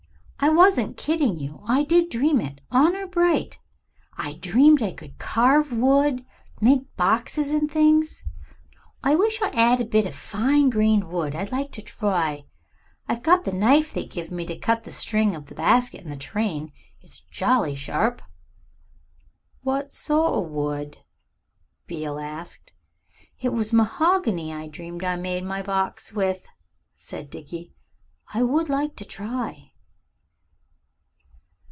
I wasn't kidding you. I did dream it, honor bright. I dreamed I could carve wood make boxes and things. I wish I 'ad a bit of fine grained wood. I'd like to try. I've got the knife they give me to cut the string of the basket in the train. It's jolly sharp." "What sort o' wood?" Beale asked. "It was mahogany I dreamed I made my box with," said Dickie. "I would like to try."